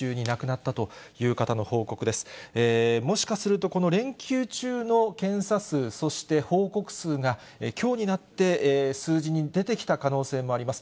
もしかするとこの連休中の検査数、そして報告数が、きょうになって数字に出てきた可能性もあります。